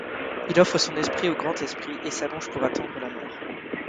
Il offre son esprit au Grand Esprit et s'allonge pour attendre la mort.